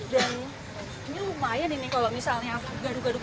dan ini lumayan ini kalau misalnya gaduk gaduknya